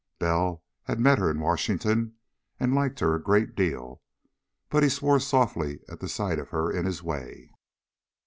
Bell had met her in Washington and liked her a great deal, but he swore softly at sight of her in his way.